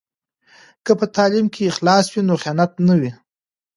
که په تعلیم کې اخلاص وي نو خیانت نه وي.